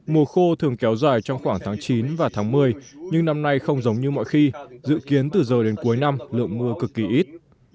mùa khô thường kéo dài trong khoảng tháng chín và tháng một mươi nhưng năm nay không giống như mọi khi dự kiến từ giờ đến cuối năm lượng mưa cực kỳ ít